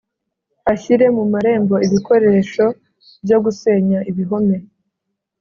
ashyire mu marembo ibikoresho byo gusenya ibihome